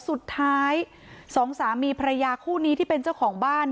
สุดท้ายสองสามีภรรยาคู่นี้ที่เป็นเจ้าของบ้าน